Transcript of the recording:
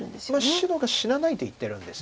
白が死なないと言ってるんです。